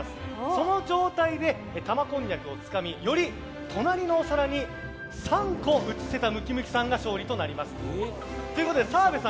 その状態で玉こんにゃくをつかみ隣のお皿に３個移せたムキムキさんが勝利となります。